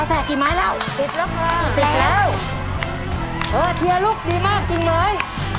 แสกกี่ไม้แล้วติดแล้วค่ะเสร็จแล้วเออเชียร์ลูกดีมากจริงไหม